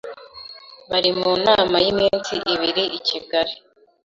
bari mu nama y’iminsi ibiri i Kigali